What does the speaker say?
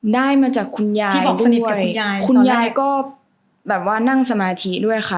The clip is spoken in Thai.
ได้มาจากคุณยายด้วยคุณยายก็นั่งสมาธิด้วยค่ะ